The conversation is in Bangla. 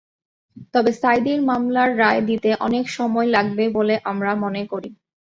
তবে সাঈদীর মামলার রায় দিতে অনেক সময় লাগবে বলে আমরা মনে করি।